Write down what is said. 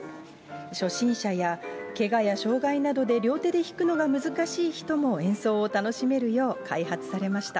初心者や、けがや障害などで両手で弾くのが難しい人も演奏を楽しめるよう開発されました。